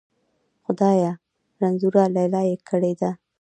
خدایه! رنځوره لیلا یې کړې ده.